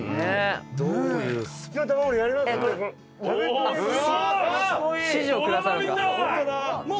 おすごい。